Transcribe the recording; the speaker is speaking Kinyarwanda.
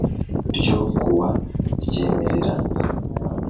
Ryo kuwa ryemerera